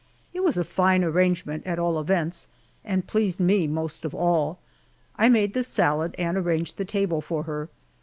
It was a fine arrangement, at all events, and pleased me most of all. I made the salad and arranged the table for her.